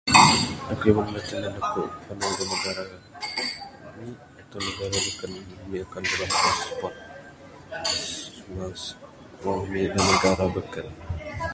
Aku wang tenan aku panu dak negara ami atau negara beken ami akan peribuasapat meng ami da negara beken.